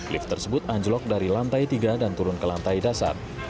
lift tersebut anjlok dari lantai tiga dan turun ke lantai dasar